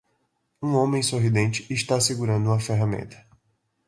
Um homem sorridente está segurando uma ferramenta.